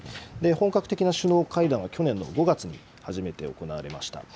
本格的な首脳会談は去年の５月に初めて行われました。